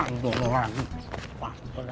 jangan lupa subscribe like share dan komen ya